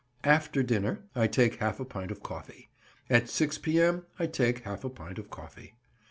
After Dinner—I take half a pint of coffee. At 6 P.M.—I take half a pint of coffee.